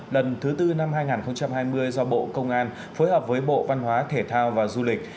lần thứ tư năm hai nghìn hai mươi do bộ công an phối hợp với bộ văn hóa thể thao và du lịch